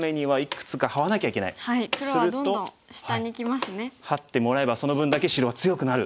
するとハッてもらえばその分だけ白は強くなる。